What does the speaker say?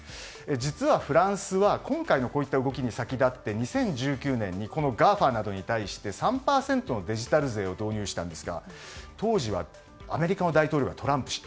実は、フランスは今回のこういった動きに先立って２０１９年にＧＡＦＡなどに対して３％のデジタル税を導入したんですが当時はアメリカの大統領、トランプ氏。